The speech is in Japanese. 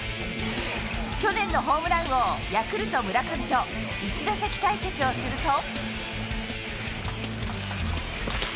去年のホームラン王、ヤクルト、村上と１打席対決をすると。